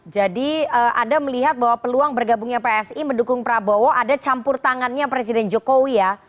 jadi ada melihat bahwa peluang bergabungnya psi mendukung prabowo ada campur tangannya presiden jokowi ya